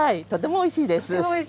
とてもおいしい？